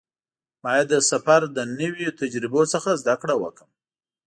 باید د سفر له نویو تجربو څخه زده کړه وکړم.